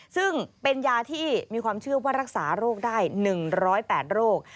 ซึ่งเป็นยาที่มีความเชื่อว่ารักษาโรคได้๑๐๘โรค